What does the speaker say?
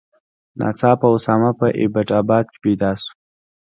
ناڅاپه اسامه په ایبټ آباد کې پیدا شو.